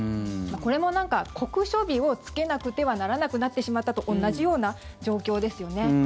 これも酷暑日をつけなくてはならなくなってしまったと同じような状況ですよね。